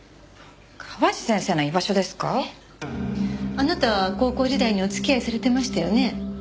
あなた高校時代にお付き合いされてましたよね？